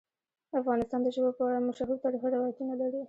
افغانستان د ژبو په اړه مشهور تاریخی روایتونه لري.